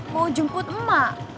mau jemput emak